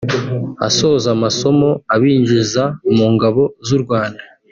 Asoza amasomo abinjiza mu ngabo z’u Rwanda